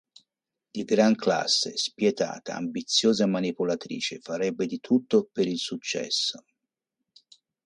Di gran classe, spietata, ambiziosa e manipolatrice, farebbe di tutto per il successo.